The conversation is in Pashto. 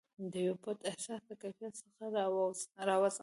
دیو پټ احساس د کیف څخه راوزم